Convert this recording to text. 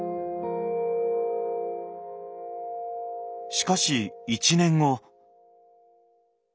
しかし１年後。